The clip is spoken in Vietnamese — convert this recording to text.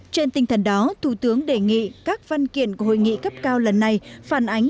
trên tinh thần đó thủ tướng đề nghị các văn kiện của hội nghị cấp cao lần này phản ánh